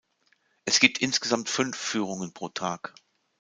Es gibt insgesamt fünf Führungen pro Tag.